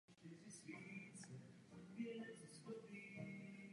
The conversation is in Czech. Od té chvíle se Tankred plně pustil do rozšiřování svého Galilejského knížectví.